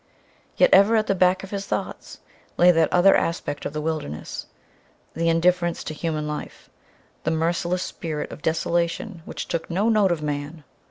Yet, ever at the back of his thoughts, lay that other aspect of the wilderness: the indifference to human life, the merciless spirit of desolation which took no note of man.